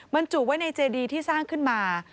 บรรจุไว้ในเจดีที่สร้างขึ้นมา